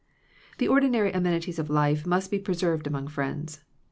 The ordinary amenities of life must be preserved among friends.